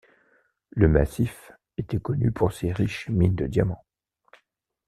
Le massif était connu pour ses riches mines de diamants.